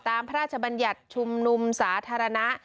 พระราชบัญญัติชุมนุมสาธารณะ